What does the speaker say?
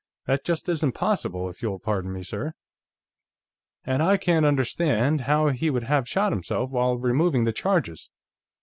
That just isn't possible, if you'll pardon me, sir. And I can't understand how he would have shot himself while removing the charges.